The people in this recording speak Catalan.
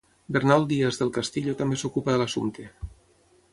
Bernal Díaz del Castillo també s'ocupa de l'assumpte.